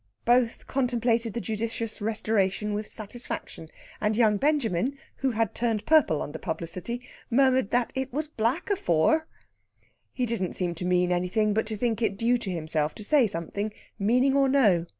Both contemplated the judicious restoration with satisfaction; and young Benjamin, who had turned purple under publicity, murmured that it was black afower. He didn't seem to mean anything, but to think it due to himself to say something, meaning or no.